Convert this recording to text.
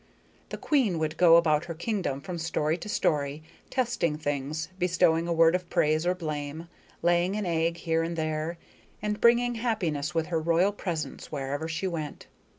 The queen would go about her kingdom from story to story, testing things, bestowing a word of praise or blame, laying an egg here and there, and bringing happiness with her royal presence wherever she went.